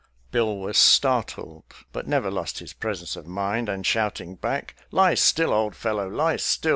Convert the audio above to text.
" Bill was startled, but never lost his presence of mind, and shouting back, " Lie still, old fel low, lie still